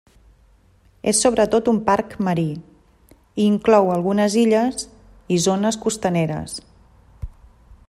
És sobretot un parc marí, i inclou algunes illes i zones costaneres.